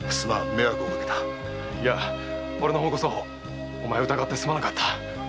いや俺の方こそお前を疑ってすまなかった。